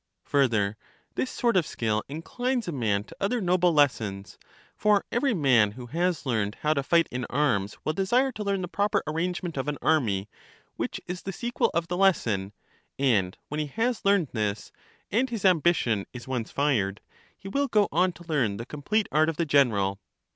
Further, this sort of skill inclines a man to other noble lessons ; for every man who has learned how to fight in arms will desire to learn the proper arrangement of an army, which is the sequel of the lesson: and when he has learned this, and his ambition is once fired, he will go on to learn the complete art of the general.